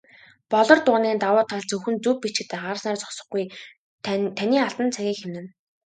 "Болор дуран"-ийн давуу тал зөвхөн зөв бичихэд анхаарснаар зогсохгүй, таны алтан цагийг хэмнэнэ.